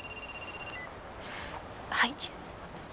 はい。